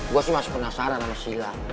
gue sih masih penasaran sama sila